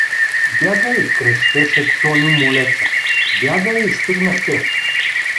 — Бягай! — крещеше Цоню Молеца. — Бягай, стигнах те!